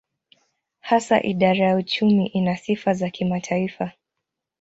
Hasa idara ya uchumi ina sifa za kimataifa.